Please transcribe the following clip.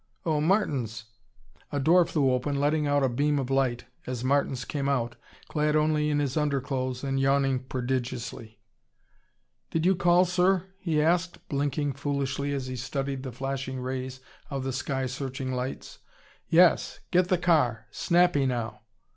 Oh, Martins!" A door flew open, letting out a beam of light as Martins came out, clad only in his underclothes and yawning prodigiously. "Did you call, sir?" he asked, blinking foolishly as he studied the flashing rays of the sky searching lights. "Yes! Get the car! Snappy, now!"